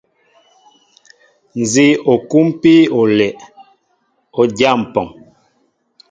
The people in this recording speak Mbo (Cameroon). Nzi o kumpi olɛʼ, o dya mpɔŋ.